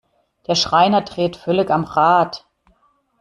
Der Schreiner dreht völlig am Rad.